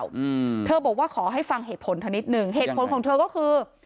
อืมเธอบอกว่าขอให้ฟังเหตุผลเธอนิดหนึ่งเหตุผลของเธอก็คือ